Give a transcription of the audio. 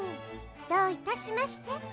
どういたしまして。